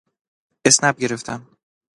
اسنپ گرفتم.